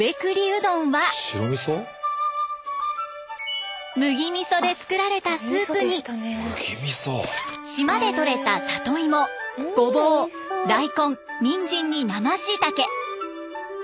うどんは麦みそでつくられたスープに島で取れた里芋ごぼう大根にんじんに生しいたけ。